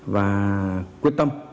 và quyết tâm